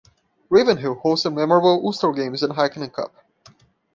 Ravenhill hosted memorable Ulster games in the Heineken Cup.